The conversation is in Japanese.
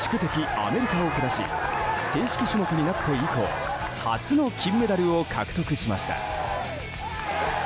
アメリカを下し正式種目になって以降初の金メダルを獲得しました。